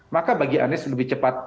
maka bagi anies lebih cepat